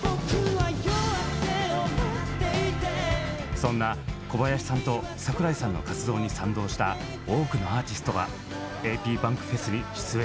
そんな小林さんと櫻井さんの活動に賛同した多くのアーティストがａｐｂａｎｋｆｅｓに出演。